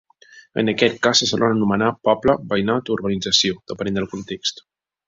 En aquest cas, se solen anomenar poble, veïnat o urbanització, depenent del context.